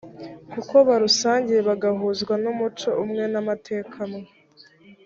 kuko barusangiye bagahuzwa n’umuco umwe n’amateka amwe